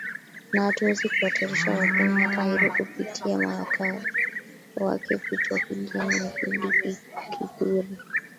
na hatuwezi kuhatarisha wakenya hata hivyo kupitia mawakili wake kitwa kigen na kidiki kithuri